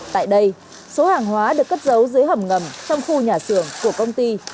tại đây số hàng hóa được cất giấu dưới hầm ngầm trong khu nhà xưởng của công ty